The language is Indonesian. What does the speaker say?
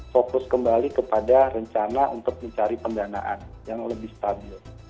fokus kembali kepada rencana untuk mencari pendanaan yang lebih stabil